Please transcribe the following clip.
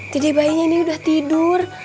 bayinya ini udah tidur